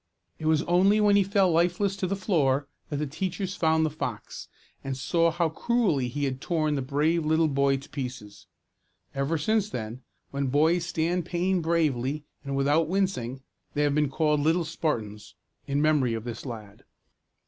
It was only when he fell lifeless to the floor that the teachers found the fox, and saw how cruelly he had torn the brave little boy to pieces. Ever since then, when boys stand pain bravely and without wincing, they have been called little Spartans, in memory of this lad.